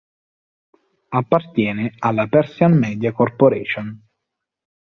Appartiene alla Persian Media Corporation.